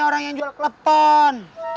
orang yang jual kelepon